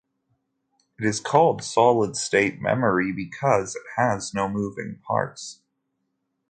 It is called solid state memory because it has no moving parts.